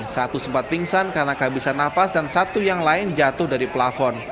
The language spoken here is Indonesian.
satu sempat pingsan karena kehabisan nafas dan satu yang lain jatuh dari plafon